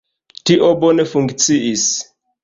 Tio bone funkciis.